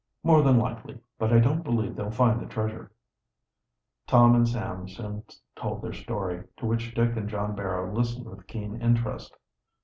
"More than likely. But I don't believe they'll find the treasure." Tom and Sam soon told their story, to which Dick and John Barrow listened with keen interest.